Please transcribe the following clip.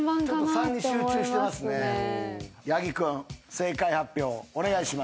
正解発表お願いします。